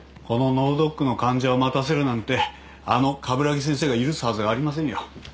この脳ドックの患者を待たせるなんてあの鏑木先生が許すはずがありませんよ。